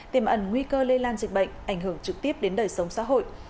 tiềm ẩn nguy cơ lây lan dịch bệnh ảnh hưởng trực tiếp đến đời sống xã hội